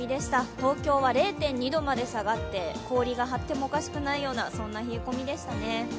東京は０．２度まで下がって氷が張ってもおかしくないような冷え込みでしたね。